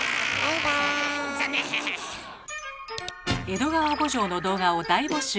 「江戸川慕情」の動画を大募集。